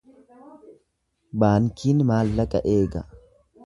Baankiin maallaqa eega.